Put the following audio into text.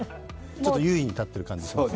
ちょっと優位に立っている感じがします。